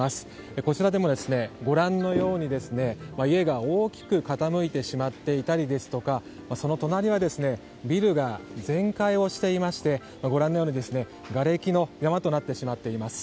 こちらでもご覧のように家が大きく傾いてしまっていたりですとかその隣はビルが全壊していましてご覧のようにがれきの山となっています。